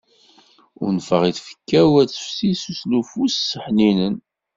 Unfeɣ i tfekka-w ad tefsi s uslufu-s ḥninen.